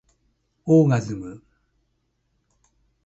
オーガズム